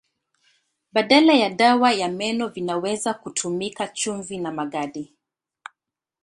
Badala ya dawa ya meno vinaweza kutumika chumvi na magadi.